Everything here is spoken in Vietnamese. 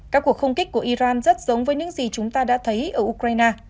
các cuộc không kích của iran rất giống với những gì chúng ta đã thấy ở ukraine